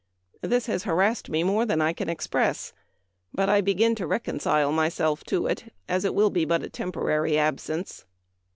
This has harassed me more than I can express ; but I begin to reconcile myself to it, as it will be but a temporary absence."